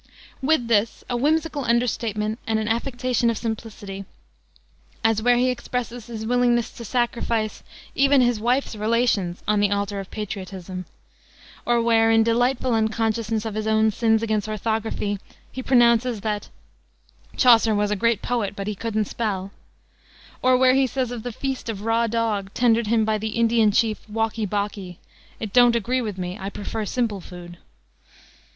With this a whimsical under statement and an affectation of simplicity, as where he expresses his willingness to sacrifice "even his wife's relations" on the altar of patriotism; or, where, in delightful unconsciousness of his own sins against orthography, he pronounces that "Chaucer was a great poet, but he couldn't spell," or where he says of the feast of raw dog, tendered him by the Indian chief, Wocky bocky, "It don't agree with me. I prefer simple food."